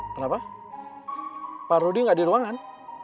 kenapa pak rudy gak di ruangan